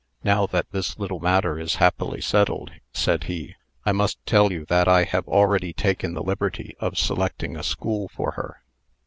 "Now that this little matter is happily settled," said he, "I must tell you that I have already taken the liberty of selecting a school for her."